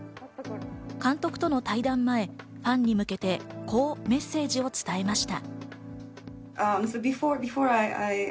監督との対談前、ファンに向けて、こうメッセージを伝えました。